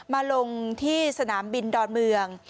มาลงที่สนามบินดอนเมือง